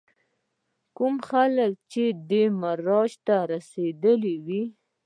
کوم خلک چې دې معراج ته رسېدلي وي.